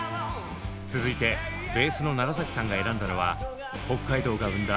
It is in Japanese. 続いてベースの楢さんが選んだのは北海道が生んだ